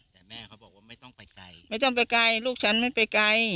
แต่แม่เขาบอกว่าไม่ต้องไปไกลไม่ต้องไปไกลลูกฉันไม่ไปไกล